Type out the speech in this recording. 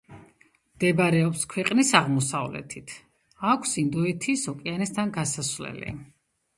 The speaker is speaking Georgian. მდებარეობს ქვეყნის აღმოსავლეთით, აქვს ინდოეთის ოკეანესთან გასასვლელი.